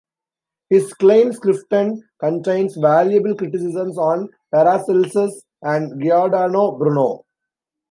His "Kleine Schriften" contains valuable criticisms on Paracelsus and Giordano Bruno.